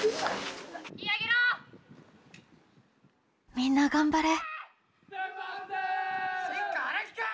みんな頑張れ！